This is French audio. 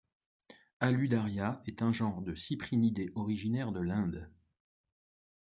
Haludaria est un genre de cyprinidés originaire de l’Inde.